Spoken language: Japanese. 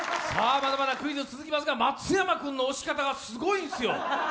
まだまだクイズ続きますが松山君の押し方がすごいんですよ。